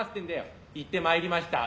「いってまいりました」